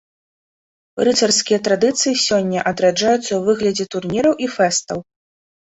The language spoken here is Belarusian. Рыцарскія традыцыі сёння адраджаюцца ў выглядзе турніраў і фэстаў.